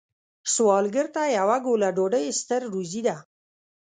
سوالګر ته یوه ګوله ډوډۍ ستر روزی ده